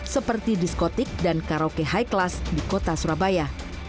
seperti diskotik dan karaoke high class di kota surabaya